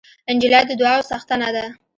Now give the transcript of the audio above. نجلۍ د دعاوو څښتنه ده.